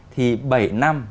thì bảy năm